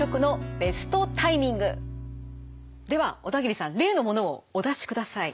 では小田切さん例のものをお出しください。